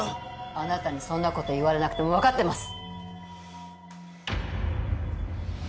あなたにそんな事言われなくてもわかってます。